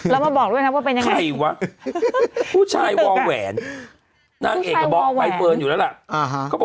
แล้วมาบอกด้วยว่าเป็นยังไงเนี่ยแน็ต